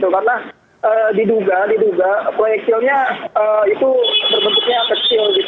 karena diduga diduga proyek silnya itu berbentuknya kecil